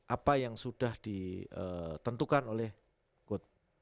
apa yang sudah ditentukan oleh got